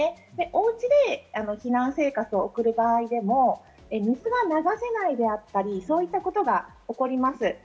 おうちで避難生活を送る場合でも水が流せないであったり、そういったことが起こります。